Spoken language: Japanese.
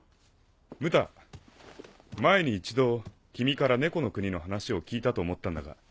ムタ前に一度君から猫の国の話を聞いたと思ったんだが。